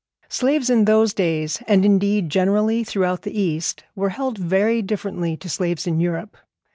Slaves in those days, and, indeed, generally throughout the East, were held very differently to slaves in Europe.